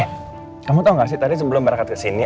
eh kamu tau gak sih tadi sebelum berangkat kesini